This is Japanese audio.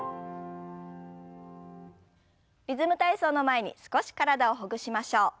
「リズム体操」の前に少し体をほぐしましょう。